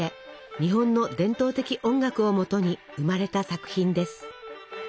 日本の伝統的音楽をもとに生まれた作品です。